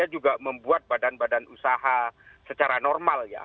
juga membuat badan badan usaha secara normal ya